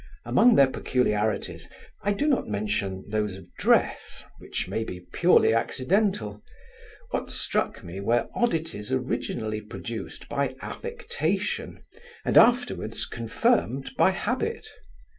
Among their peculiarities, I do not mention those of dress, which may be purely accidental. What struck me were oddities originally produced by affectation, and afterwards confirmed by habit.